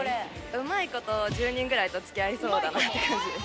うまいこと１０人ぐらいとつきあいそうだなっていう感じです。